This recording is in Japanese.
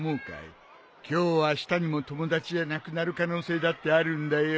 今日あしたにも友達じゃなくなる可能性だってあるんだよ。